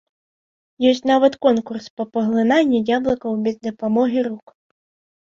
Ёсць нават конкурс па паглынанні яблыкаў без дапамогі рук.